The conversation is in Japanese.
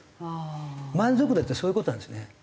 満足度ってそういう事なんですよね。